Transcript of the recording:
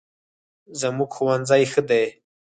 زموږ ښوونځی ښه دی